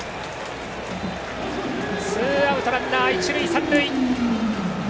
ツーアウトランナー、一塁三塁。